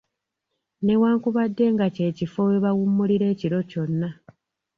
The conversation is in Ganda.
Newankubadde nga kye kifo we bawummulira ekiro kyonna.